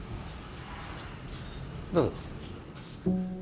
どうぞ。